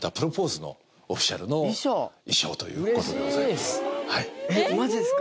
これはえっマジですか？